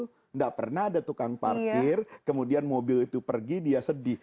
tidak pernah ada tukang parkir kemudian mobil itu pergi dia sedih